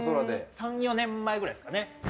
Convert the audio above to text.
３４年くらい前ですかね。